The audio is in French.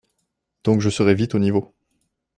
Donc je serai vite au niveau.